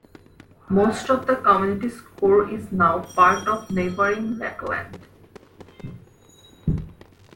Most of the community's core is now part of neighboring Lakeland.